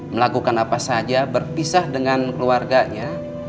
melakukan apa saja berpisah dengan keluarganya